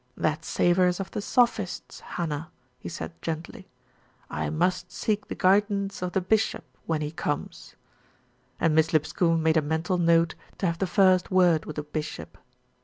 "That savours of the Sophists, Hannah," he said gently. "I must seek the guidance of the bishop when he comes," and Miss Lipscombe made a mental note to have the first word with the bishop.